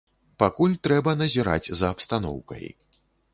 Пакуль трэба назіраць за абстаноўкай.